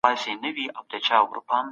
ادیب تل تخلیقي ادب رامنځته کوي.